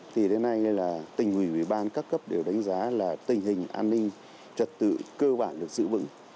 thì đến nay là tỉnh ủy bán các cấp đều đánh giá là tình hình an ninh trật tự cơ bản được xử vững